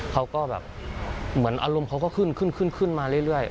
เขาก็แบบเหมือนอารมณ์เขาก็ขึ้นขึ้นมาเรื่อย